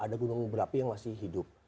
ada gunung berapi yang masih hidup